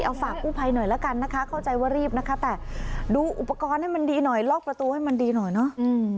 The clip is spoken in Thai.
เอาฝากกู้ภัยหน่อยแล้วกันนะคะเข้าใจว่ารีบนะคะแต่ดูอุปกรณ์ให้มันดีหน่อยล็อกประตูให้มันดีหน่อยเนาะ